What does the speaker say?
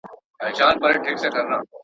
زما دي دلته په ځنگلونو کي غړومبی وي.